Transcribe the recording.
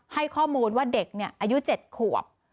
ให้ข้อมูลว่าเด็กอายุ๗ขวบ